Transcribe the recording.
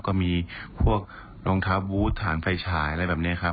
ก็มีพวกรองเท้าบูธฐานไฟฉายอะไรแบบนี้ครับ